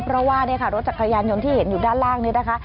เพราะว่ารถจัดกระยานยนต์ที่เห็นอยู่ด้านล่างเนี่ยนะคะ